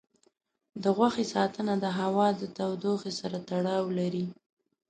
د غوښې ساتنه د هوا د تودوخې سره تړاو لري.